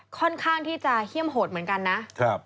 ค่อนข้างที่จะเฮี่ยมโหดเหมือนกันนะครับ